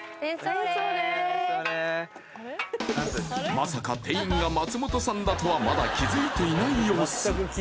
まさか店員が松本さんだとはまだ気づいていない様子